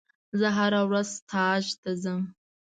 زه هره ورځ ستاژ ته ځم.